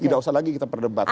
tidak usah lagi kita perdebatkan